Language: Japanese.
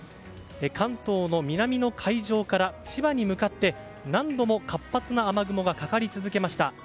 関東の南の海上から千葉に向かって、何度も活発な雨雲がかかり続けました。